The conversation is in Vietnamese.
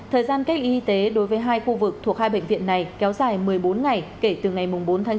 thời gian cách ly y tế đối với hai khu vực thuộc hai bệnh viện này kéo dài một mươi bốn ngày kể từ ngày bốn tháng chín